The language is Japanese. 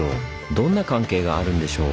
どんな関係があるんでしょう？